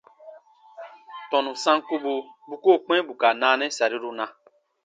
Tɔnu sankubu bu koo kpĩ bù ka naanɛ sariru na?